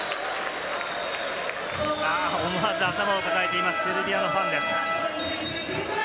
思わず頭を抱えています、セルビアのファンです。